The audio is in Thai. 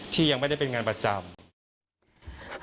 ที่ยังไม่ได้เป็นงานประจำ